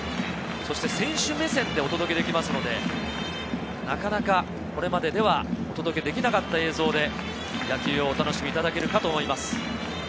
選手目線でお届けできますので、なかなか、これまでではお届けできなかった映像で野球をお楽しみいただけるかと思います。